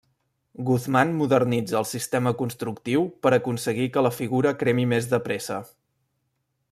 Guzmán modernitza el sistema constructiu per aconseguir que la figura cremi més de pressa.